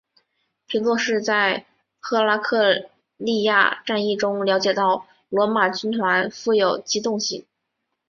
皮洛士在赫拉克利亚战役中了解到罗马军团富有机动性。